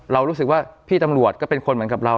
รู้สึกว่าพี่ตำรวจก็เป็นคนเหมือนกับเรา